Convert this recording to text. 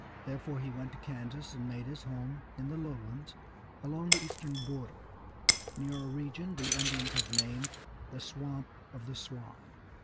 Therefore he went to Kansas and made his home in the lowlands along the eastern border, near a region that the Indians had named the Swamp of the Swan.